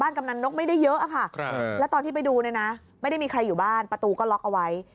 แล้วด้านที่ไปดูมาไม่ได้มีใครอยู่บ้านประตูก็ล็อกเอาไว้